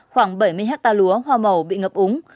khoảng bảy mươi hectare lúa hoa màu bị ngập úng